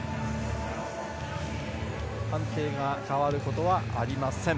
判定が変わることはありません。